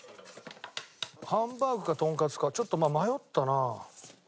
ハンバーグかとんかつかちょっとまあ迷ったな。